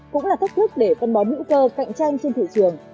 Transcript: cũng là thách thức để phân bón hữu cơ cạnh tranh trên thị trường